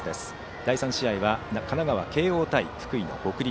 第３試合は神奈川・慶応対福井の北陸。